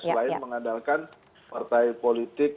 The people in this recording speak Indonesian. selain mengandalkan partai politik